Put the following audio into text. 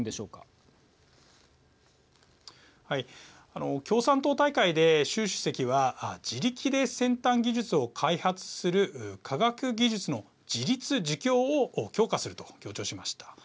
あの共産党大会で習主席は自力で先端技術を開発する科学技術の自立自強を強化すると強調しました。